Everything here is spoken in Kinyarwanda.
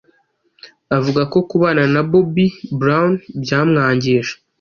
Avuga ko kubana na Bobby Brown byamwangije